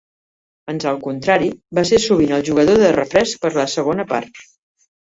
Ans al contrari, va ser sovint el jugador de refresc per a la segona part.